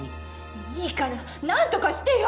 いいから何とかしてよ！